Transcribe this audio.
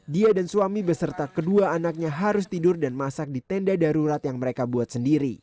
dia dan suami beserta kedua anaknya harus tidur dan masak di tenda darurat yang mereka buat sendiri